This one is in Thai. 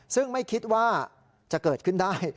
ซึ่งไม่คิดว่าจะเกิดขึ้นได้